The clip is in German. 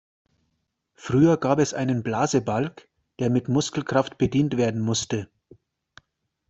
Früher gab es einen Blasebalg, der mit Muskelkraft bedient werden musste.